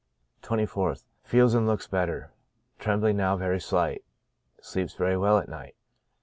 24th. — Feels and looks better, trembling now very slight, sleeps very well at night.